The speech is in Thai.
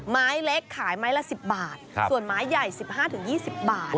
ไม้เล็กขายไม้ละ๑๐บาทส่วนไม้ใหญ่๑๕๒๐บาท